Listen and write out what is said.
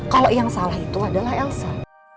kalau yang salah itu adalah elsa